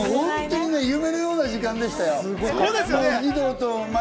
本当に夢のような時間でしたよ。